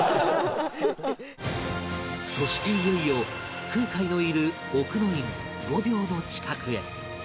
そしていよいよ空海のいる奥之院御廟の近くへ